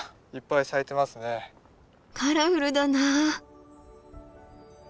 カラフルだなあ。